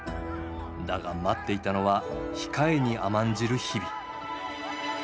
だが待っていたのは控えに甘んじる日々。